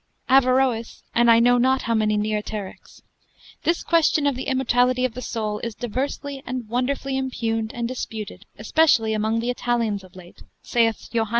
Averroes, and I know not how many Neoterics. This question of the immortality of the soul, is diversely and wonderfully impugned and disputed, especially among the Italians of late, saith Jab.